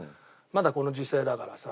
まだこの時世だからさ。